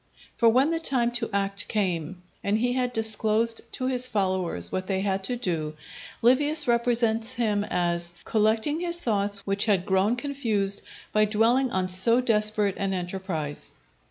For when the time to act came, and he had disclosed to his followers what they had to do, Livius represents him as "collecting his thoughts which had grown confused by dwelling on so desperate an enterprise."